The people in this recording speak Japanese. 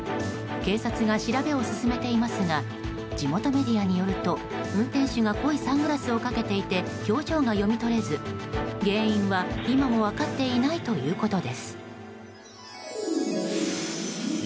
警察が調べを進めていますが地元メディアによると運転手が濃いサングラスをかけていて表情が読み取れず、原因は今も分かっていないということです。